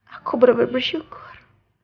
aku benar benar bersyukur